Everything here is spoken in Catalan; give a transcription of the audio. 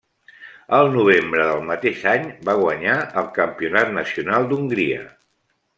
El novembre del mateix any va guanyar el Campionat Nacional d'Hongria.